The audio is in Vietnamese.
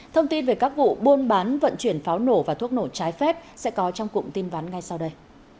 thông tin về các vụ buôn bán vận chuyển pháo nổ và thuốc nổ trái phép sẽ có trong cụm tin ván ngay sau đây